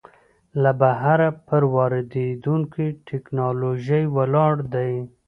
له بهره پر واردېدونکې ټکنالوژۍ ولاړ دی.